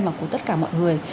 mà của tất cả mọi người